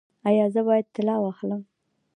ایا زه باید طلاق واخلم؟